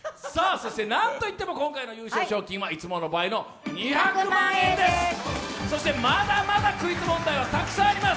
そして、なんといっても今回の優勝賞金は２００万円です、そしてまだまだクイズ問題はあります。